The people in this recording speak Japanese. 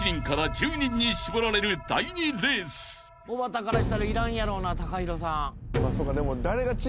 おばたからしたらいらんやろうなＴＡＫＡＨＩＲＯさん。